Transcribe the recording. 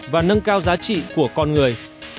và nâng cao giá trị của con người